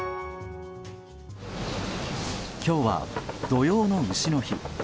今日は土用の丑の日。